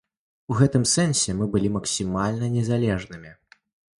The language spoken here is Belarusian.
У гэтым сэнсе мы былі максімальна незалежнымі.